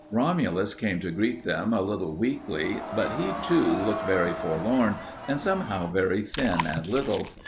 Romulus came to greet them a little weakly, but he, too, looked very forlorn and somehow very thin and little.